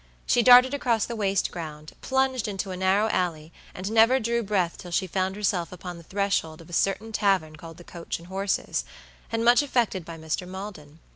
She darted across the waste ground, plunged into a narrow alley, and never drew breath till she found herself upon the threshold of a certain tavern called the Coach and Horses, and much affected by Mr. Maldon.